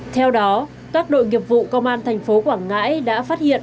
theo đó các đội nghiệp vụ công an tp quảng ngãi đã phát hiện